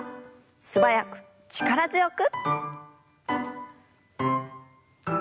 素早く力強く。